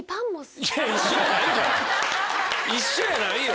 一緒やないよ。